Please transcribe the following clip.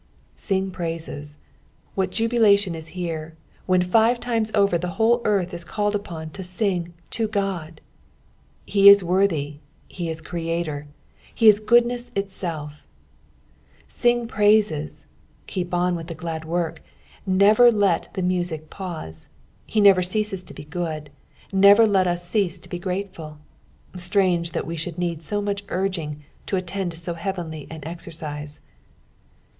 "Bing jtmim." What jubilation is here, when five times over the whole earth is called upon to ainfi to Qod ! Heis worthy, he is Creator, he is goodness Itself. Siiig praite*, keep on with the glad work. Never let the music pause. Be never ceases to be good, let lu never cease to be grateful. Strange that we should Deed so much urging to attend to so heavenly ao exercise.